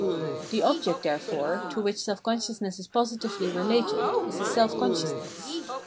The object, therefore, to which seK consciousness is positively related, is a self consciousness.